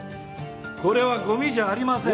これはゴミじゃありません。